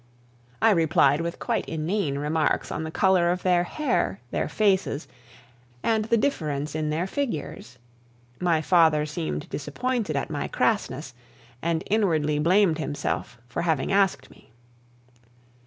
I replied with quite inane remarks on the color of their hair, their faces, and the difference in their figures. My father seemed disappointed at my crassness, and inwardly blamed himself for having asked me.